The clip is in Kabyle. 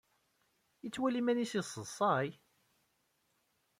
Yettwali iman-nnes yesseḍsay?